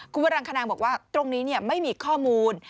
คุณวรังคณางบอกว่าตรงนี้ไม่มีข้อมูล